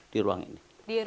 di ruang ini